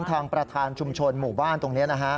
ทางประธานชุมชนหมู่บ้านตรงนี้นะฮะ